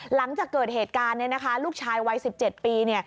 หลังจากเกิดเหตุการณ์ลูกชายวัย๑๗ปี